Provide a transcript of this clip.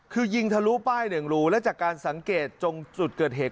คือยิงทะลุป้ายหนึ่งรูและจากการสังเกตจงจุดเกิดเหตุ